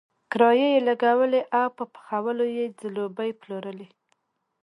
کرایي یې لګولی او په پخولو یې ځلوبۍ پلورلې.